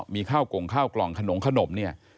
มีข้าวกงข้าวกล่องขนมขนมเนี่ย